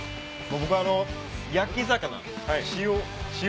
僕焼き魚。